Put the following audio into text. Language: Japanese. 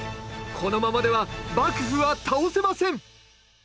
このままでは幕府は倒せません